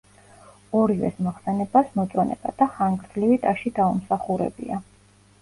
ორივეს მოხსენებას მოწონება და ხანგრძლივი ტაში დაუმსახურებია.